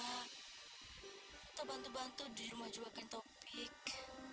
atau bantu bantu di rumah jualan topik